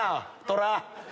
トラ！